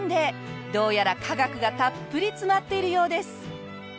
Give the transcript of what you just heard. どうやら科学がたっぷり詰まっているようです。